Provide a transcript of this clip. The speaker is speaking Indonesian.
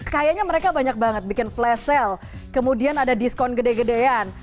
kayaknya mereka banyak banget bikin flash sale kemudian ada diskon gede gedean